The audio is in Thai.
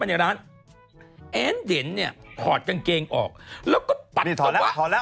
ไปในร้านแอ้นเด็นเนี่ยถอดกางเกงออกแล้วก็ตัดตัวถอดแล้วถอดแล้ว